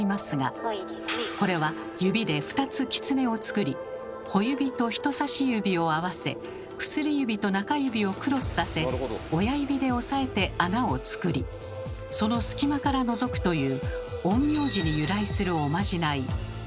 これは指で２つ狐を作り小指と人差し指を合わせ薬指と中指をクロスさせ親指で押さえて穴を作りその隙間からのぞくという陰陽師に由来するおまじない。